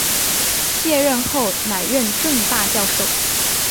卸任后仍任政大教授。